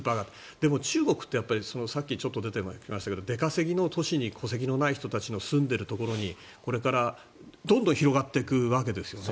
でも中国ってさっきも出てましたけど出稼ぎの都市に戸籍のない人の住んでいるところにこれからどんどん広がっていくわけですよね。